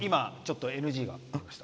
ＮＧが出ました。